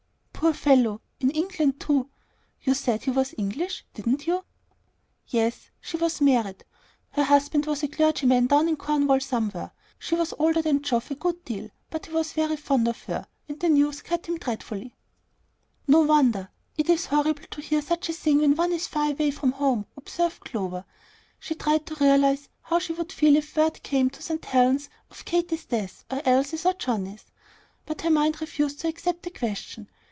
"Poor fellow! In England too! You said he was English, didn't you?" "Yes. She was married. Her husband was a clergyman down in Cornwall somewhere. She was older than Geoff a good deal; but he was very fond of her, and the news cut him up dreadfully." "No wonder. It is horrible to hear such a thing when one is far from home," observed Clover. She tried to realize how she should feel if word came to St. Helen's of Katy's death, or Elsie's, or Johnnie's; but her mind refused to accept the question.